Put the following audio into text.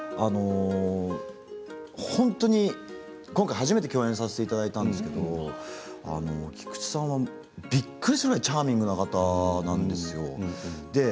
本当に今回初めて共演させていただいたんですが菊地さんはびっくりするぐらいチャーミングな方なんですよ。